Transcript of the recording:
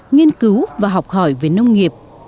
nghiên cứu và học hỏi về nông nghiệp